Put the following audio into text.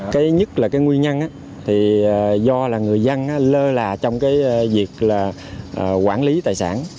cái nhất là cái nguyên nhân thì do là người dân lơ là trong cái việc là quản lý tài sản